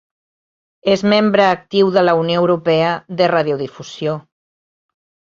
És membre actiu de la Unió Europea de Radiodifusió.